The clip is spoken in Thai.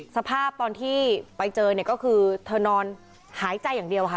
สภาพตอนที่ไปเจอเนี่ยก็คือเธอนอนหายใจอย่างเดียวค่ะ